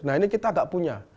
nah ini kita nggak punya